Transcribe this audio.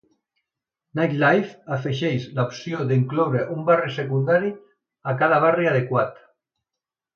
"Nightlife" afegeix l'opció d'incloure un barri secundari a cada barri adequat.